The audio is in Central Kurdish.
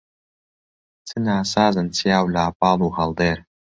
چ ناسازن چیا و لاپاڵ و هەڵدێر